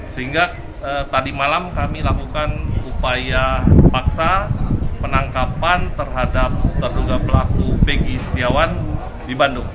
sehingga tadi malam kami lakukan upaya paksa penangkapan terhadap terduga pelaku pegi setiawan di bandung